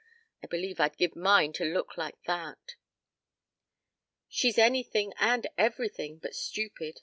I believe I'd give mine to look like that." "She's anything and everything but stupid.